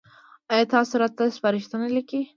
ایا تاسو راته سپارښتنه لیکئ؟